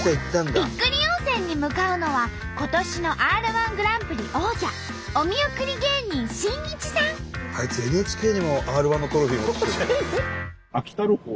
びっくり温泉に向かうのは今年のＲ−１グランプリ王者あいつＮＨＫにもＲ−１のトロフィー持ってきてる。